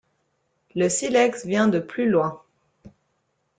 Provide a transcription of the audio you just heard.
Le silex vient de plus loin...